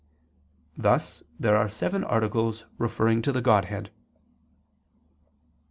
Thus there are seven articles referring to the Godhead.